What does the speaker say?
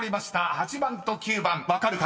８番と９番分かる方］